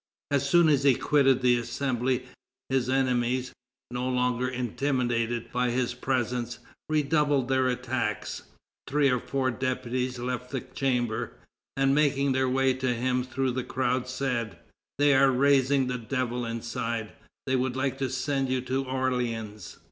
As soon as he quitted the Assembly, his enemies, no longer intimidated by his presence, redoubled their attacks. Three or four deputies left the Chamber, and making their way to him through the crowd, said: "They are raising the devil inside; they would like to send you to Orleans."